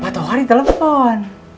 pak tuhari telepon